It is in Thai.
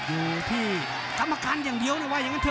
อยู่ที่กรรมการอย่างเดียวเลยว่าอย่างนั้นเถ